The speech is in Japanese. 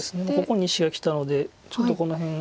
ここに石がきたのでちょっとこの辺。